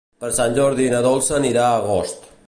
Per Sant Jordi na Dolça anirà a Agost.